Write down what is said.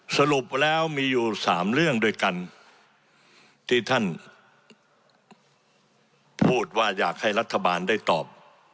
สรุปแล้วมีอยู่๓เรื่องด้วยกันที่ท่านพูดว่าอยากให้รัฐบาลได้ตอบ